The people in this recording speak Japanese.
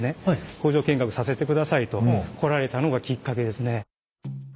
「工場見学させてください」と来られたのがきっかけですね。